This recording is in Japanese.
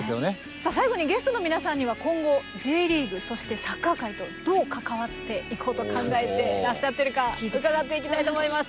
さあ最後にゲストの皆さんには今後Ｊリーグそしてサッカー界とどう関わっていくことを考えてらっしゃってるか伺っていきたいと思います。